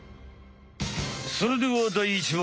それでは第１問！